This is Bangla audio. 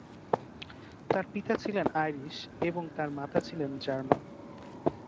তার পিতা ছিলেন আইরিশ এবং তার মাতা ছিলেন জার্মান।